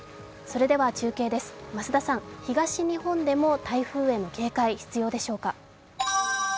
それでは中継です、増田さん、東日本でも台風への警戒、必要でしょうか？